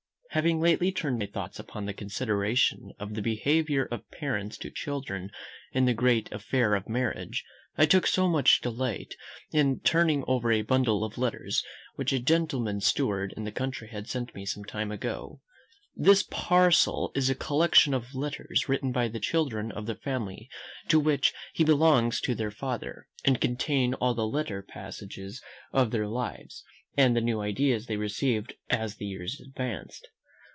Having lately turned my thoughts upon the consideration of the behaviour of parents to children in the great affair of marriage, I took much delight in turning over a bundle of letters which a gentleman's steward in the country had sent me some time ago. This parcel is a collection of letters written by the children of the family to which he belongs to their father, and contain all the little passages of their lives, and the new ideas they received as the years advanced.